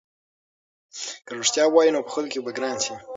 که رښتیا ووایې نو په خلکو کې به ګران شې.